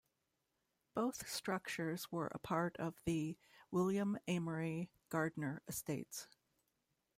Both structures were a part of the William Amory Gardner estates.